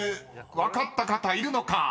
［分かった方いるのか？